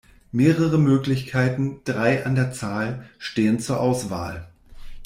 Mehrere Möglichkeiten, drei an der Zahl, stehen zur Auswahl.